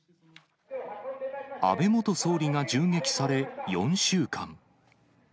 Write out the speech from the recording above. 安倍元総理が銃撃され、４週間。